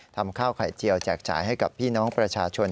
ทำข้าวไข่เจียวแจกจ่ายให้กับพี่น้องประชาชน